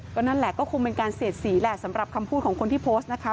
ก็นั่นแหละก็คงเป็นการเสียดสีแหละสำหรับคำพูดของคนที่โพสต์นะคะ